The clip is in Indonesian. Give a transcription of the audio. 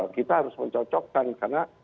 kita harus mencocokkan karena